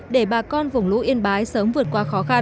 để bà con vùng lũ yên bái sớm vượt qua khó khăn